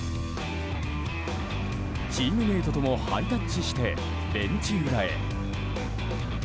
チームメートともハイタッチしてベンチ裏へ。